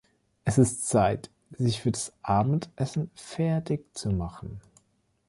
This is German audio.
Es ist Zeit, sich für das Abendessen fertig zu machen.